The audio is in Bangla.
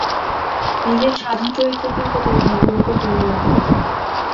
নিজের সাধু-চরিত্রটির প্রতি ভদ্রলোকের দুর্বলতা আছে।